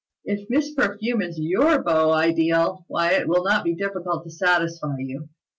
If Miss Perfume is your beau ideal, why it will not be difficult to satisfy you."